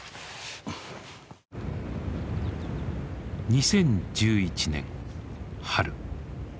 ２０１１年春。